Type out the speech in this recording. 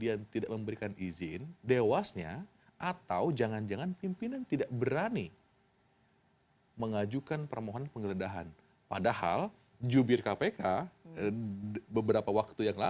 ada pernyataan resmi juga bahwa